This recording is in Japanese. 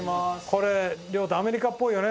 これ亮太アメリカっぽいよね。